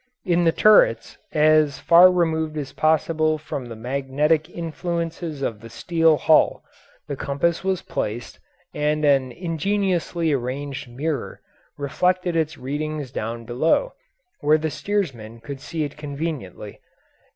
In the turrets, as far removed as possible from the magnetic influences of the steel hull, the compass was placed, and an ingeniously arranged mirror reflected its readings down below where the steersman could see it conveniently.